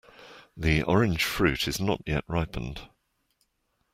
The orange fruit is not yet ripened.